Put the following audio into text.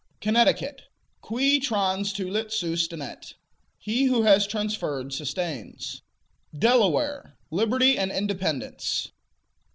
Connecticut Qui transtulit sustinet: He who has transferred, sustains. Delaware Liberty and Independence.